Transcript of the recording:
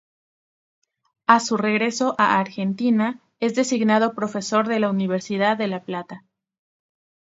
A su regreso a Argentina, es designado profesor en la Universidad de La Plata.